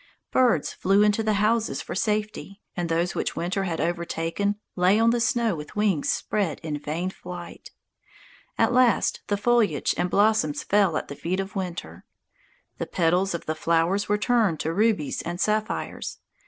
Birds flew into the houses for safety, and those which winter had overtaken lay on the snow with wings spread in vain flight. At last the foliage and blossoms fell at the feet of Winter. The petals of the flowers were turned to rubies and sapphires.